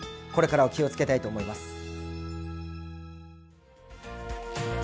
これからは気をつけたいと思います。